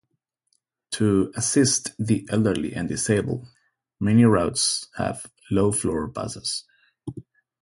To assist the elderly and disabled, many routes have low-floor buses.